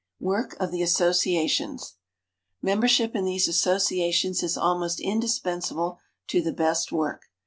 Work of the Associations. Membership in these associations is almost indispensable to the best work.